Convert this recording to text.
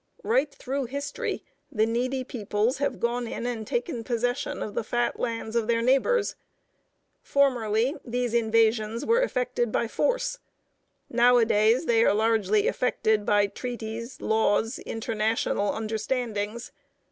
Right through history, the needy peoples have gone in and taken possession of the fat lands of their neighbors. Formerly these invasions were effected by force; nowadays they are largely effected by treaties, laws, international understandings.